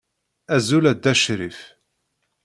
Azul a Dda crif.